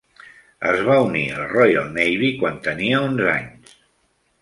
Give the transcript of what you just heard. Es va unir a la Royal Navy quan tenia onze anys.